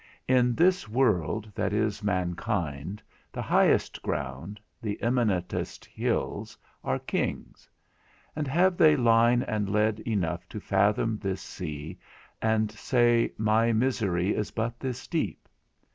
In this world that is mankind, the highest ground, the eminentest hills, are kings; and have they line and lead enough to fathom this sea, and say, My misery is but this deep?